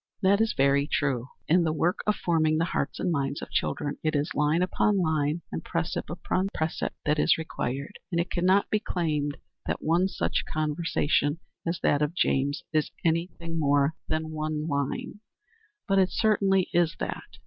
That is very true. In the work of forming the hearts and minds of children it is "line upon line, and precept upon precept" that is required; and it can not be claimed that one such conversation as that of James is any thing more than one line. But it certainly is that.